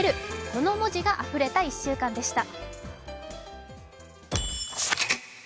この文字があふれた１週間でした。